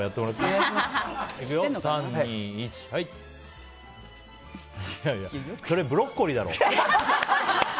いやいやそれ、ブロッコリーだろ。